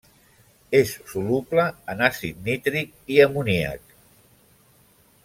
És soluble en àcid nítric i amoníac.